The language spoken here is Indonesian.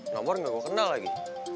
nomor nggak gue kenal lagi